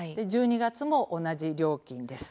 １２月も同じ料金です。